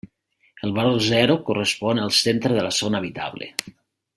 El valor zero correspon al centre de la zona habitable.